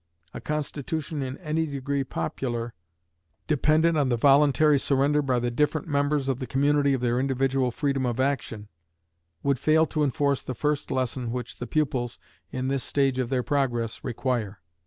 A constitution in any degree popular, dependent on the voluntary surrender by the different members of the community of their individual freedom of action, would fail to enforce the first lesson which the pupils, in this stage of their progress, require.